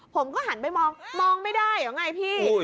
ผมก็หันไปมองมองไม่ได้เหรอไงพี่